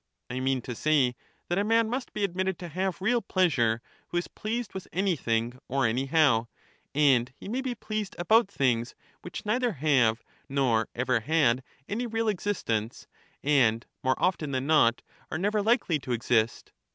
I mean to say that a man must be admitted to have real pleasure who is pleased with anything or anyhow ; and he may be pleased about things which neither have nor have ever had any real existence, and, more often than not, are never likely to exist.